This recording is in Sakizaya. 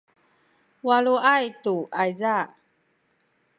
waluay tu ayza